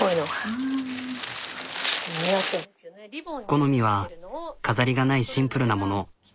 好みは飾りがないシンプルなもの。